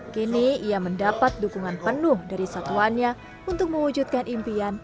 kini ia mendapat dukungan penuh dari satuannya untuk mewujudkan impian